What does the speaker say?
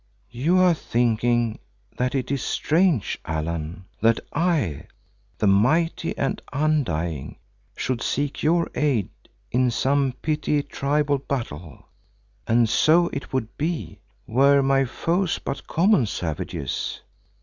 "You are thinking that it is strange, Allan, that I, the Mighty and Undying, should seek your aid in some petty tribal battle, and so it would be were my foes but common savages.